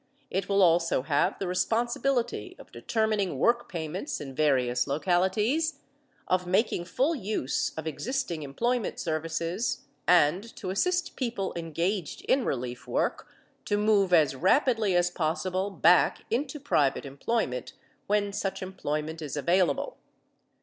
It will also have the responsibility of determining work payments in various localities, of making full use of existing employment services and to assist people engaged in relief work to move as rapidly as possible back into private employment when such employment is available.